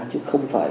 chứ không phải